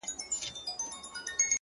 چي ته نه يې زما په ژونــــد كــــــي،